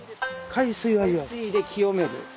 海水で清める。